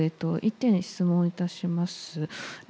１点、質問いたします。